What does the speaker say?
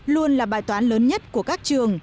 luôn là bài toán lớn nhất của các trường